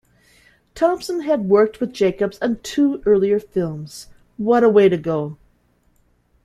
Thompson had worked with Jacobs on two earlier films, What a Way to Go!